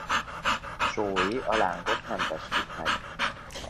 Sói a lángot nem festik meg.